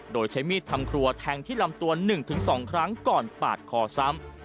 โดยใช้มีดทำครัวแทงที่ลำตัว๑๒ครั้งก่อนปาดคอซ้ำ